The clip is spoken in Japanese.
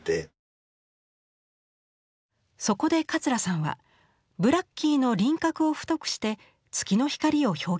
そこで桂さんはブラッキーの輪郭を太くして月の光を表現することにしました。